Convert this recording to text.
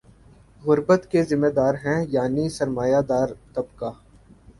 غربت کے ذمہ دار ہیں یعنی سر ما یہ دار طبقہ